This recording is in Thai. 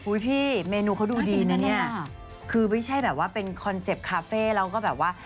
พี่เมนูเขาดูดีนะเนี่ยคือไม่ใช่แบบว่าเป็นคอนเซ็ปต์คาเฟ่แล้วก็แบบว่า